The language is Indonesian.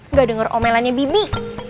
nggak denger omelannya bibi